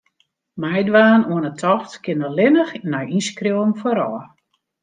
Meidwaan oan 'e tocht kin allinnich nei ynskriuwing foarôf.